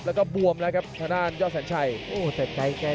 กระโดยสิ้งเล็กนี่ออกกันขาสันเหมือนกันครับ